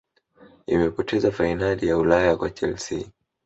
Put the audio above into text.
imepoteza fainali ya Ulaya kwa chelsea